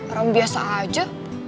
orang biasa aja